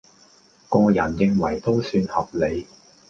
個人認為都算合理